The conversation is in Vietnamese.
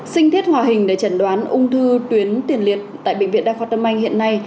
sinh thiết hòa hình để chẩn đoán ung thư tuyến tiền liệt tại bệnh viện đa khoa tâm anh hiện nay